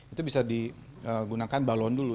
itu bisa digunakan balon dulu